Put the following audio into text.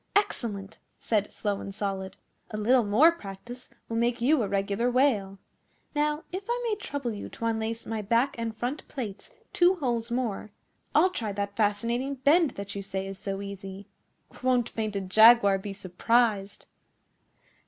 'Excellent!' said Slow and Solid. 'A little more practice will make you a regular whale. Now, if I may trouble you to unlace my back and front plates two holes more, I'll try that fascinating bend that you say is so easy. Won't Painted Jaguar be surprised!